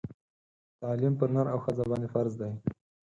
تعلیم پر نر او ښځه باندي فرض دی